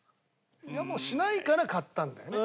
いやもうしないから買ったんだよね。